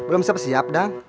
belum siap siap dah